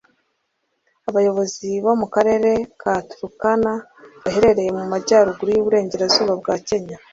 Abayobozi bo mu karere ka Turkana gaherereye mu majyaruguru y’uburengerazuba bwa Kenya